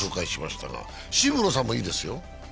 渋野さんもいいですよ。